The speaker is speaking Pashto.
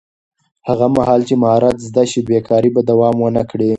هغه مهال چې مهارت زده شي، بېکاري به دوام ونه کړي.